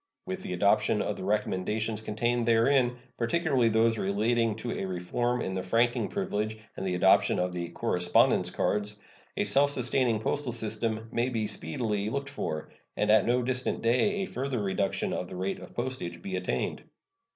With the adoption of the recommendations contained therein, particularly those relating to a reform in the franking privilege and the adoption of the "correspondence cards," a self sustaining postal system may speedily be looked for, and at no distant day a further reduction of the rate of postage be attained.